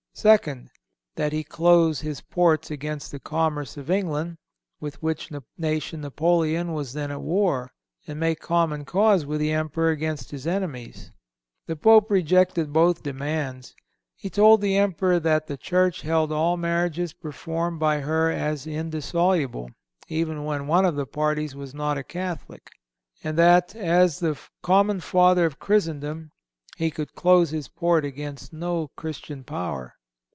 Second—That he close his ports against the commerce of England, with which nation Napoleon was then at war, and make common cause with the Emperor against his enemies. The Pope rejected both demands. He told the Emperor that the Church held all marriages performed by her as indissoluble, even when one of the parties was not a Catholic; and that, as the common father of Christendom, he could close his port against no Christian power.